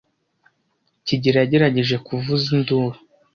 kigeli yagerageje kuvuza induru,